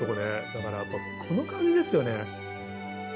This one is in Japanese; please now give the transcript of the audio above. だからやっぱこの感じですよね。